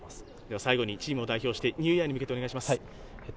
最後にチームを代表して、ニューイヤーに向けてお願いします。